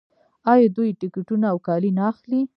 آیا دوی ټکټونه او کالي نه اخلي؟